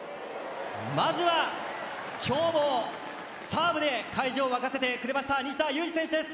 まず、今日もサーブで会場を沸かせてくれた西田有志選手です。